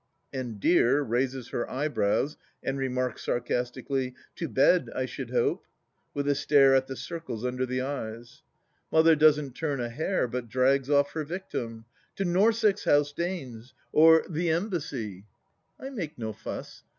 And " Dear " raises her eyebrows and remarks sarcastically, " To bed, I should hope ?" with a stare at the circles under the eyes. Mother doesn't turn a hair, but drags off her victim — "To Norssex House, Danes!" or " The Embassy !"... THE LAST DITCH _ 33 I make no fuss.